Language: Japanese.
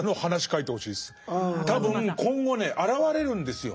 多分今後ね現れるんですよ。